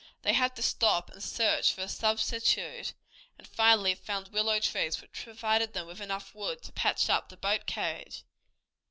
They had to stop and search for a substitute, and finally found willow trees, which provided them with enough wood to patch up the boat carriage.